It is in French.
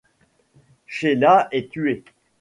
Sheila est tuée.